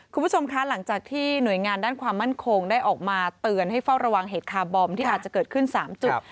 คุณผู้ชมคะหลังจากที่หน่วยงานด้านความมั่นคงได้ออกมาเตือนให้เฝ้าระวังเหตุคาร์บอมที่อาจจะเกิดขึ้น๓จุด